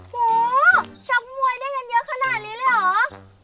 โหชกมวยได้กันเยอะขนาดนี้เลยเหรอ